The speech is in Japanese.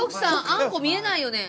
あんこ見えないよね。